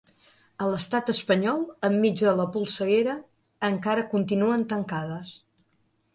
A l’estat espanyol, enmig de la polseguera, encara continuen tancades.